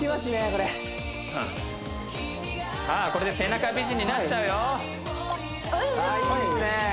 これさあこれで背中美人になっちゃうよいいですね